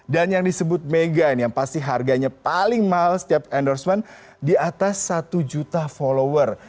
dan yang disebut mega ini yang pasti harganya paling mahal setiap endorsement di atas satu juta follower